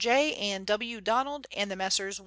J. and W. Donald and the Messrs.